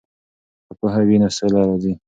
که پوهه وي نو سوله راځي.